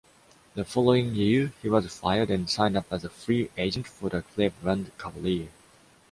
The following year he was fired, and signed up as a free agent for the Cleveland Cavaliers.